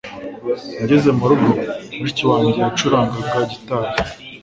ngeze mu rugo, mushiki wanjye yacurangaga gitari